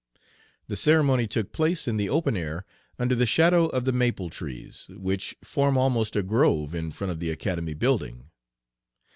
The ceremony took place in the open air under the shadow of the maple trees, which form almost a grove in front of the Academy building.